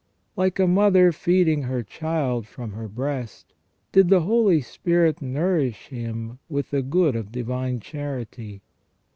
Like a mother feeding her child from her breast, did the Holy Spirit nourish him with the good of divine charity.